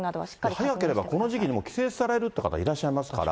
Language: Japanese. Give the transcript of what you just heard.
早ければこの時期もう帰省されるっていう方、いらっしゃいますから。